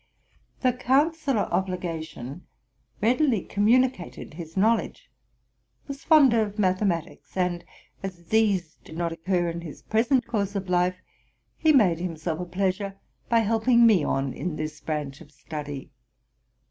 RELATING TO MY LIFE. 95 The counsellor of legation readily communicated his knowl edge, was fond of mathematics ; and, as these did not oceur in his present course of life, he made himself a pleasure by helping me on in this branch of study.